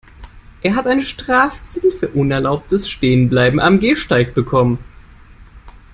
Er hat einen Strafzettel für unerlaubtes Stehenbleiben am Gehsteig bekommen.